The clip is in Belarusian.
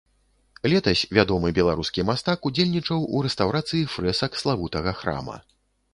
Летась вядомы беларускі мастак удзельнічаў у рэстаўрацыі фрэсак славутага храма.